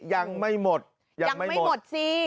ยังไม่หมดยังไม่หมดยังไม่หมดยังไม่หมดสิ